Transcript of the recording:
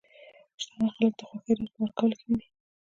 شتمن خلک د خوښۍ راز په ورکولو کې ویني.